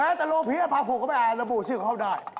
แม้แต่โลเพียร์ภาพภูมิอารบูชื่อเขาได้